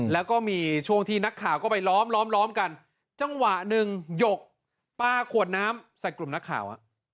แล้วก็มีช่วงที่นักข่าวก็ไปล้อมล้อมล้อมกันจังหวะหนึ่งหยกปลาขวดน้ำใส่กลุ่มนักข่าว